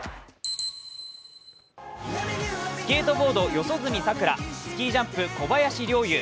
スケートボード、四十住さくら、スキージャンプ、小林陵侑。